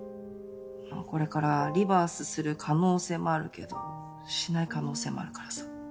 まあこれからリバースする可能性もあるけどしない可能性もあるからさ。